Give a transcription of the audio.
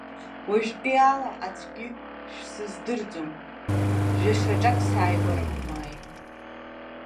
Уажәтәи ала аӡәгьы шәсыздырӡом, жәа-шьаҿак сааигәара бмааин!